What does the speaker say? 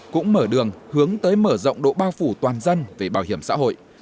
cũng mở đường hướng tới mở rộng độ bao phủ toàn dân về bảo hiểm xã hội